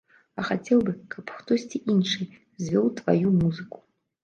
А хацеў бы, каб хтосьці іншы звёў тваю музыку?